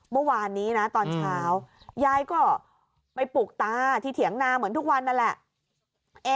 เมื่อวานนี้นะตอนเช้ายายก็ไปปลูกตาที่เถียงนาเหมือนทุกวันนั่นแหละ